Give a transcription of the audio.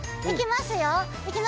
いきますよ。